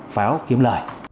pháo kiếm lợi